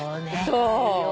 そう。